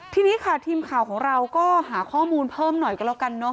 ทีนี้ค่ะทีมข่าวของเราก็หาข้อมูลเพิ่มหน่อยก็แล้วกันเนอ